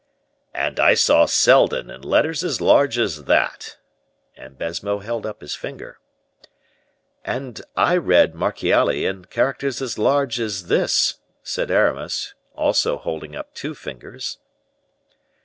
"And I saw 'Seldon' in letters as large as that," and Baisemeaux held up his finger. "And I read 'Marchiali' in characters as large as this," said Aramis, also holding up two fingers.